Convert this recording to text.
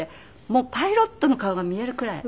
もうパイロットの顔が見えるくらい。